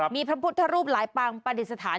มีพระพุทธรูปหลายปางปฏิสถาน